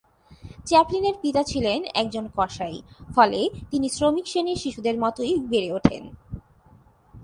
চ্যাপলিনের পিতা ছিলেন একজন কসাই, ফলে তিনি শ্রমিক শ্রেণীর শিশুদের মতই বেড়ে ওঠেন।